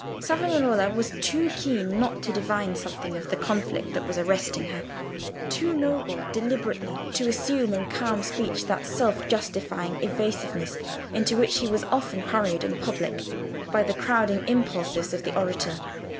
Savonarola was too keen not to divine something of the conflict that was arresting her—too noble, deliberately to assume in calm speech that self justifying evasiveness into which he was often hurried in public by the crowding impulses of the orator.